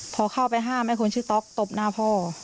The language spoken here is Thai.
พอเข้าไปห้ามไอ้คนชื่อต๊อกตบหน้าพ่อ